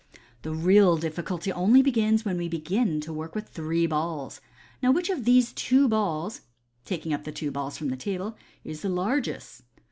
" The real difficulty only begins when we begin to work with three balls. Now which of these two balls " (taking up the two balls from the table) " is the la gest